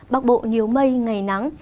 bắc bộ nhiều mây ngày nắng